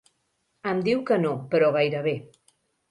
Em diu que no, però gairebé.